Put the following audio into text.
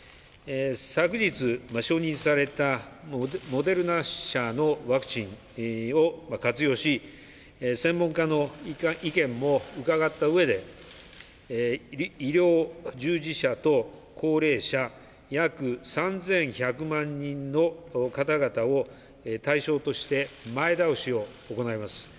昨日、承認されたモデルナ社のワクチンを活用し、専門家の意見も伺ったうえで、医療従事者と高齢者、約３１００万人の方々を対象として前倒しを行います。